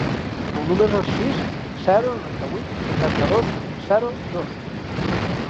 El meu número es el sis, zero, noranta-vuit, seixanta-dos, zero, dos.